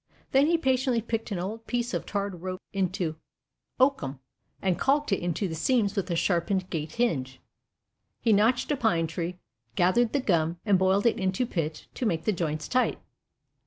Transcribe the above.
Then he patiently picked an old piece of tarred rope into oakum, and caulked it into the seams with a sharpened gate hinge. He notched a pine tree, gathered the gum and boiled it into pitch to make the joints tight.